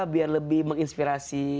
biar lebih menginspirasi